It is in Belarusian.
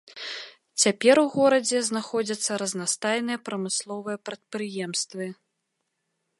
Цяпер у горадзе знаходзяцца разнастайныя прамысловыя прадпрыемствы.